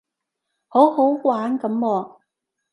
好好玩噉噃